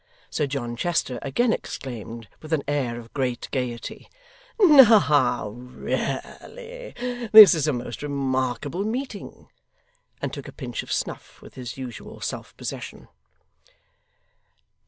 Sir John Chester again exclaimed, with an air of great gaiety, 'Now, really, this is a most remarkable meeting!' and took a pinch of snuff with his usual self possession.